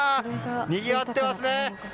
にぎわってますね。